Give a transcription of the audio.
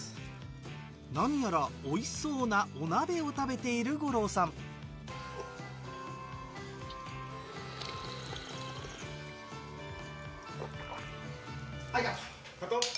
何やらおいしそうなお鍋を食べている五郎さんはいカット。